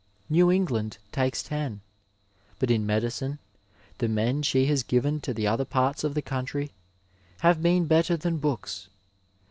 New England takes ten. But in medicine the men she has given to the other parts of the country have been better than books.